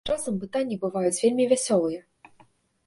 Часам пытанні бываюць вельмі вясёлыя.